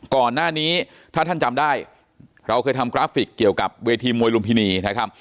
ก่อนหน้านี้ถ้าท่านจำได้เราเคยทำกราฟิกเกี่ยวกับเวทีมวยลุมพินีนะครับ